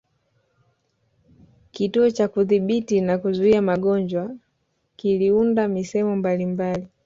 Kituo cha Kudhibiti na Kuzuia magonjwa kiliunda misemo mbalimbali